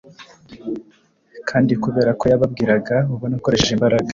kandi kubera ko yababwiraga ubona akoresheje imbaraga,